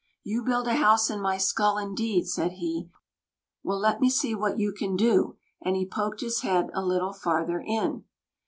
"You build a house in my skull, indeed," said he. "Well, let me see what you can do," and he poked his head a little farther in.